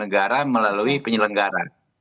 negara melalui penyelenggara